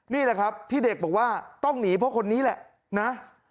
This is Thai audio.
นี่แหละครับที่เด็กบอกว่าต้องหนีเพราะคนนี้แหละนะ